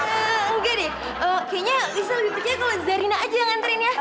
oke deh kayaknya nelisa lebih percaya kalo zarina aja yang nantriin ya